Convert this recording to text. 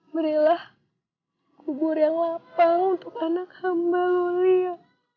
berilah kubur yang lapang untuk anak hamba loli ya